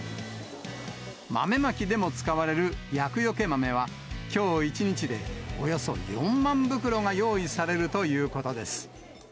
豆まきでも使われる厄除け豆は、きょう一日で、およそ４万袋が用意されるということです。